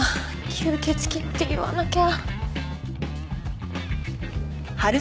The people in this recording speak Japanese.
吸血鬼って言わなきゃ。